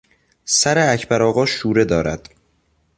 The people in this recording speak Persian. سر اکبر آقا شوره دارد.